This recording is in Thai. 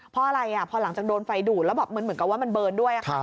เพราะอะไรพอหลังจากโดนไฟดูดแล้วแบบเหมือนกับว่ามันเบิร์นด้วย